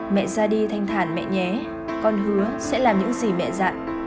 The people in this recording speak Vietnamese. mẹ ra đi thanh thản mẹ nhé con hứa sẽ làm những gì mẹ dạn